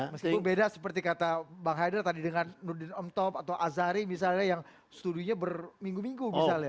meskipun beda seperti kata bang haider tadi dengan nurdin om top atau azari misalnya yang studinya berminggu minggu misalnya